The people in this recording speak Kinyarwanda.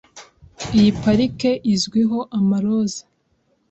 Iyi parike izwiho amaroza.